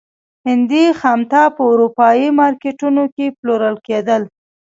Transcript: هندي خامتا په اروپايي مارکېټونو کې پلورل کېدل.